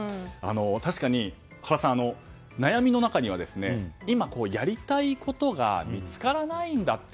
確かに原さん、悩みの中には今、やりたいことが見つからないんだという。